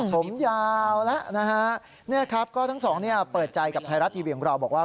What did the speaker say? ผมยาวแล้วนะฮะนี่ครับก็ทั้งสองเนี่ยเปิดใจกับไทยรัฐทีวีของเราบอกว่า